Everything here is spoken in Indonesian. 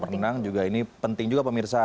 berenang juga ini penting juga pemirsa